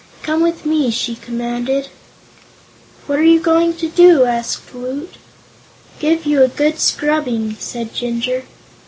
Come with me!" she commanded. "What are you going to do?" asked Woot. "Give you a good scrubbing," said Jinjur.